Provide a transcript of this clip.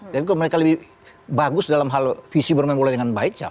tapi kalau mereka lebih bagus dalam hal visi bermain bola dengan baik